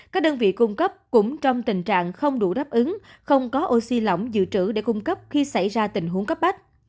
các đơn vị cung cấp cũng trong tình trạng không đủ đáp ứng không có oxy lỏng dự trữ để cung cấp khi xảy ra tình huống cấp bách